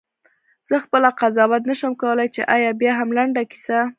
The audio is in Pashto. زه خپله قضاوت نه شم کولای چې آیا بیاهم لنډه کیسه.